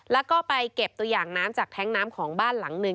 แล้วก็ไปเก็บตัวอย่างน้ำจากแท้งน้ำของบ้านหลังหนึ่ง